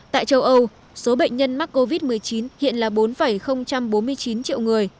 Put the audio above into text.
tại châu âu số bệnh nhân mắc covid một mươi chín hiện là bốn bốn mươi chín triệu người